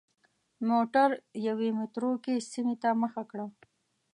موټر یوې متروکې سیمې ته مخه کړه.